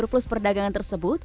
surplus perdagangan tersebut